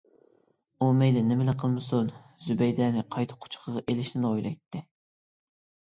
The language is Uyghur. ئۇ مەيلى نېمىلا قىلمىسۇن، زۇبەيدەنى قايتا قۇچىقىغا ئېلىشنىلا ئويلايتتى.